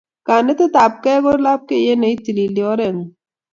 Kanetetapkei ko lapkeiyet ne itilili orengung